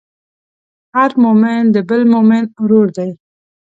هر مؤمن د بل مؤمن ورور دی.